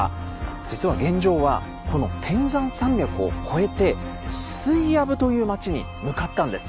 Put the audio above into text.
実は玄奘はこの天山山脈を越えて「スイヤブ」という町に向かったんです。